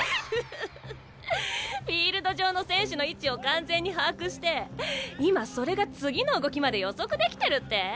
フィールド上の選手の位置を完全に把握して今それが次の動きまで予測できてるって？